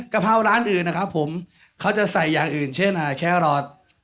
เพราร้านอื่นนะครับผมเขาจะใส่อย่างอื่นเช่นแครอท